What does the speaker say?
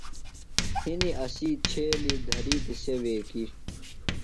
ہِنیۡ اسی چھیلیۡ، دھرِیتیۡ سےۡ ویکیۡ